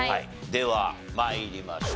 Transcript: では参りましょう。